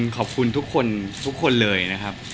ก็โคบคุณทุกเลยนะครับ